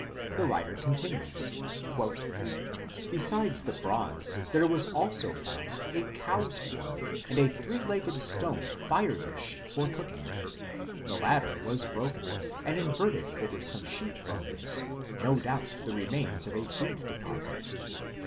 the writer continues: "Besides the bronze there was also found a cow s horn and a three legged stone fire dish for cooking. The latter was broken, and inverted over some sheep bones, no doubt the remains of a food deposit.